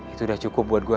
itu udah cukup buat gue